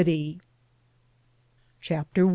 CHAPTER I.